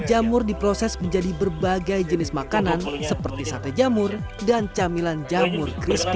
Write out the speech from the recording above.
jamur diproses menjadi berbagai jenis makanan seperti sate jamur dan camilan jamur crispy